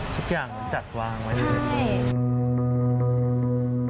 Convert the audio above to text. ทุกอย่างมันจัดว่างไว้ใช่ค่ะ